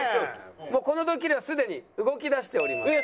もうこのドッキリはすでに動きだしております。